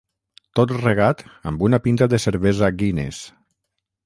Tot regat amb una pinta de cervesa Guinness.